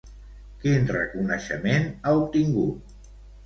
Quin reconeixement ha obtingut?